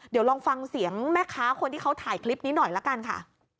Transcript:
เดี๋ยวลองฟังเสียงแม่ค้าคนที่เขาถ่ายคลิปนี้หน่อยละกันค่ะ